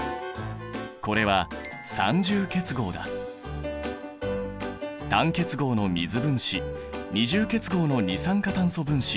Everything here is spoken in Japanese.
これは単結合の水分子二重結合の二酸化炭素分子